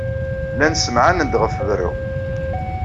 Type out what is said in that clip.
Llan ssemɛanen-d ɣef berru.